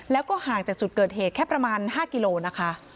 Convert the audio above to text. แล้วก็ห่างจากจุดเกิดเหตุแค่ประมาณ๕กิโลนะคะ